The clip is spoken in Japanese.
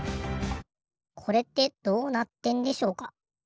これってどうなってんでしょうか？